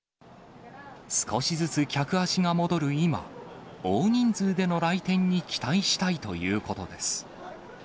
少しずつ客足が戻る今、大人数での来店に期待したいということです。